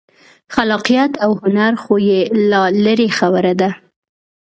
خلاقیت او هنر خو یې لا لرې خبره ده.